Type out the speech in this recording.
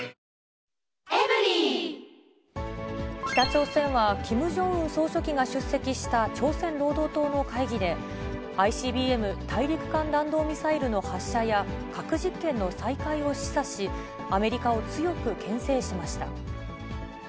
北朝鮮はキム・ジョンウン総書記が出席した朝鮮労働党の会議で、ＩＣＢＭ・大陸間弾道ミサイルの発射や、核実験の再開を示唆し、アメリカを強くけん制しました。